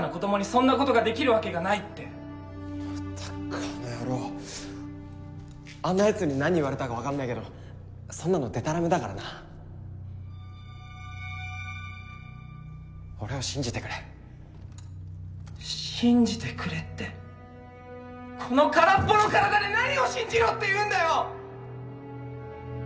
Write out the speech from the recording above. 「そんなことができるわけがない」ってタッカーの野郎あんなヤツに何言われたか分かんないけどそんなのデタラメだからな俺を信じてくれ「信じてくれ」ってこの空っぽの体で何を信じろっていうんだよ！